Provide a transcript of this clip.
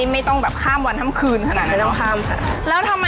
อ๋อไม่ต้องข้ามวันทั้งคืนขนาดนั้นกว่า